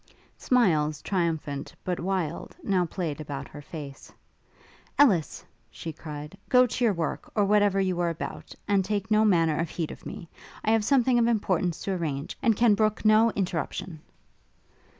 Smiles triumphant, but wild, now played about her face. 'Ellis,' she cried, 'go to your work, or whatever you were about, and take no manner of heed of me. I have something of importance to arrange, and can brook no interruption.'